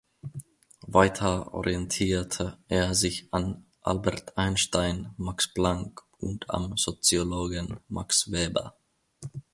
Weiter orientierte er sich an Albert Einstein, Max Planck und am Soziologen Max Weber.